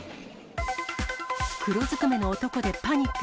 黒ずくめの男でパニック。